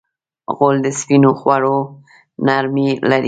غول د سپینو خوړو نرمي لري.